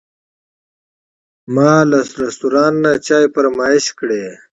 ما له رستورانت نه چای فرمایش کړ.